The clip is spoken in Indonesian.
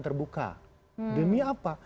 terbuka demi apa